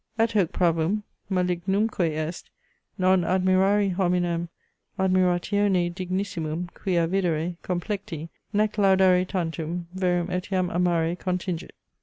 At hoc pravum, malignumque est, non admirari hominem admiratione dignissimum, quia videre, complecti, nec laudare tantum, verum etiam amare contingit.